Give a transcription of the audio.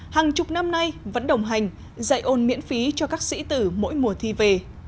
hàng chục năm nay vẫn đồng hành dạy ôn miễn phí cho các sĩ tử mỗi mùa thi về